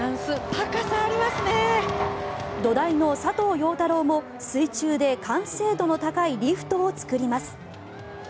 土台の佐藤陽太郎も水中で完成度の高いリフトを作ります。